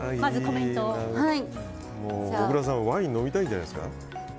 ワイン飲みたいんじゃないですか。